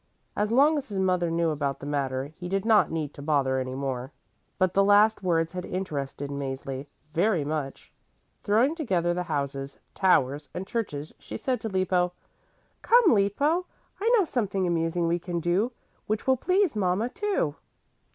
As long as his mother knew about the matter he did not need to bother any more. But the last words had interested Mäzli very much. Throwing together the houses, towers and churches she said to Lippo, "Come, Lippo, I know something amusing we can do which will please mama, too."